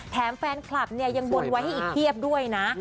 แถมแฟนคลับเนี่ยยังบนไว้ให้อีกเพียบด้วยนะ